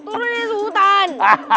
turun ya sultan